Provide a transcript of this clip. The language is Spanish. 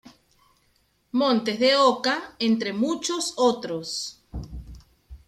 Montes de Oca, entre muchos otros.